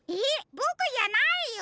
ボクじゃないよ！